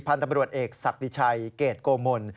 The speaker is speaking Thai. พันธบรวจเอกศักดิ์ชัยเกรดโกมน